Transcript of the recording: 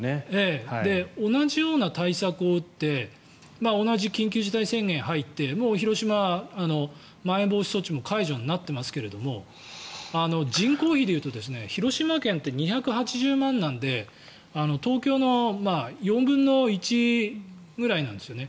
同じような対策を打って同じ緊急事態宣言に入ってもう広島はまん延防止措置も解除になっていますけど人口比でいうと広島県って２８０万人なので東京の４分の１ぐらいなんですよね。